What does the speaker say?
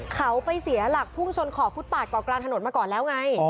เขาไปเสียหลักพุ่งชนขอบฟุตปาดเกาะกลางถนนมาก่อนแล้วไง